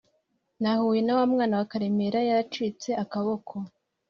Nahuye na wamwana wa karemera yaracitse akaboko